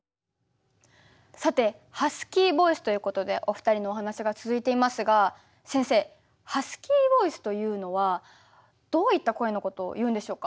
さてハスキーボイスということでお二人のお話が続いていますが先生ハスキーボイスというのはどういった声のことをいうんでしょうか？